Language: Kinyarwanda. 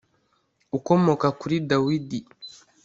ukomoka kuri Dawidi